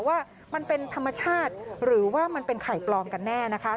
ว่ามันเป็นธรรมชาติหรือว่ามันเป็นไข่ปลอมกันแน่นะคะ